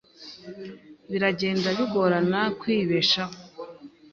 Biragenda bigorana kwibeshaho.